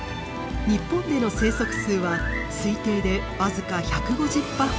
日本での生息数は推定でわずか１５０羽ほど。